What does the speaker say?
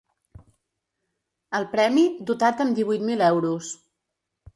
El premi, dotat amb divuit mil euros.